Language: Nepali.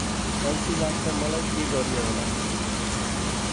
अल्छी लाग्छ मलाई के गर्ने होला?